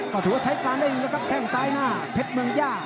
ก็ถือว่าใช้การได้อยู่แล้วครับแข้งซ้ายหน้าเพชรเมืองย่า